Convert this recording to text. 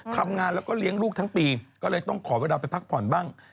ทำงานแล้วก็เลี้ยงลูกทั้งปีก็เลยต้องขอเวลาไปพักผ่อนบ้าง